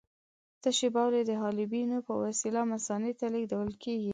تشې بولې د حالبیونو په وسیله مثانې ته لېږدول کېږي.